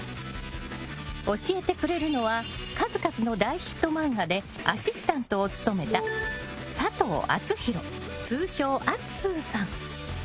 教えてくれるのは数々の大ヒット漫画でアシスタントを務めた佐藤敦弘、通称アッツーさん。